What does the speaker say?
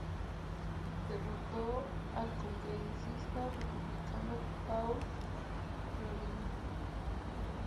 Derrotó al congresista republicano Paul Cronin.